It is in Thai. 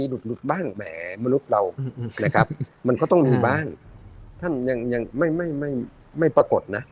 ได้ท่านไม่ปรากฏ